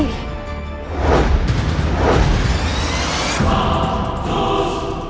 biar aku hadapi seorang ini